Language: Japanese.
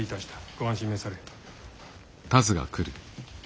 ご安心めされ。